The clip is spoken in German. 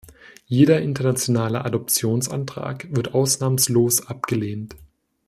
Jeder internationale Adoptionsantrag wird ausnahmslos abgelehnt.